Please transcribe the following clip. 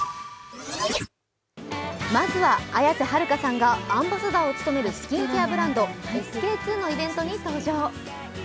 まずは綾瀬はるかさんがアンバサダーを務めるスキンケアブランド・ＳＫ−Ⅱのイベントに登場。